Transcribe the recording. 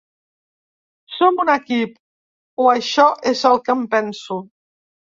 Som un equip, o això és el que em penso.